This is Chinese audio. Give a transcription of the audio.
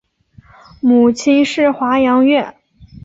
母亲是华阳院。